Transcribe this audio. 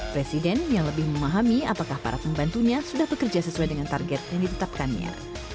presiden yang lebih memahami apakah para pembantunya sudah bekerja sesuai dengan target yang ditetapkannya